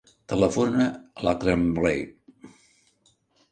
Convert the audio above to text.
Telefona a l'Akram Blay.